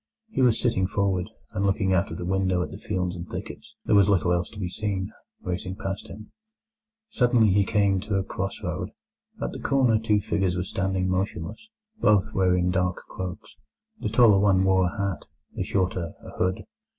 He was sitting forward, and looking out of the window at the fields and thickets—there was little else to be seen—racing past him. Suddenly he came to a cross road. At the corner two figures were standing motionless; both were in dark cloaks; the taller one wore a hat, the shorter a hood.